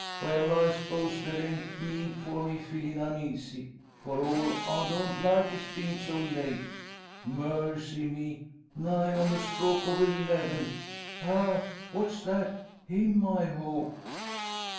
Well, I 'spose there an't need for me feelin' uneasy. For all, I don't like his bein' so late. Mercy me! Nigh on the stroke o' eleven? Ha! What's that? Him I hope."